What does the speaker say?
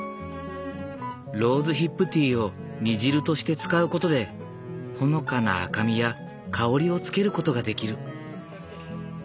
ローズヒップティーを煮汁として使うことでほのかな赤みや香りをつけることができる。